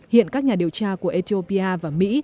hiện các nhà điều tra của ethiopia và mỹ